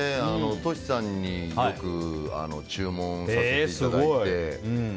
Ｔｏｓｈｉさんによく注文させていただいて。